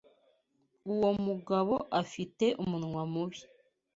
Uwo mugabo afite umunwa mubi.